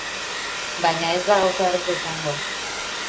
Baina ez gauza erraza izango.